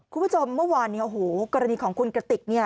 คุณผู้ชมเมื่อวานกรณีของคุณกะติก